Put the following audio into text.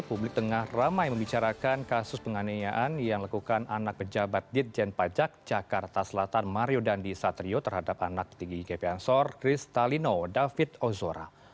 publik tengah ramai membicarakan kasus penganiayaan yang dilakukan anak pejabat ditjen pajak jakarta selatan mario dandi satrio terhadap anak tinggi gp ansor kristalino david ozora